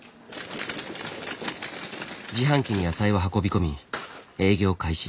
自販機に野菜を運び込み営業開始。